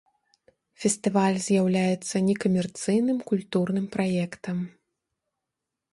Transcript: Фестываль з'яўляецца некамерцыйным культурным праектам.